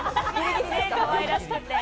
かわいらしくって。